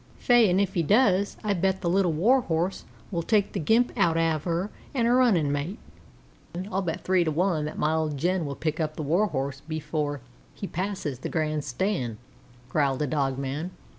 "Faix, an' if he does I bet the Little Warhorse will take the gimp out av her an' her runnin' mate." "I'll bet three to one that my old Jen will pick the Warhorse up before he passes the grand stand," growled a dog man.